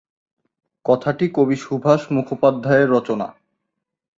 কথাটি কবি সুভাষ মুখোপাধ্যায়ের রচনা।